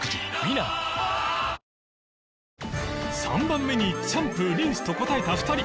３番目にシャンプー・リンスと答えた２人